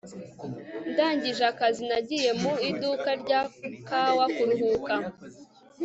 ndangije akazi, nagiye mu iduka rya kawa kuruhuka